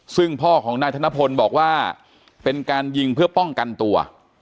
ซึ่งพ่อของนายธนพลบอกว่าเป็นการยิงเพื่อป้องกันตัว